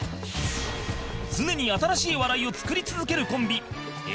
常に新しい笑いを作り続けるコンビ Ａ